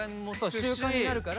習慣になるから。